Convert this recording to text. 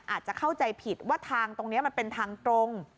อาจจะเข้าใจผิดว่าทางตรงนี้มันเป็นทางตรง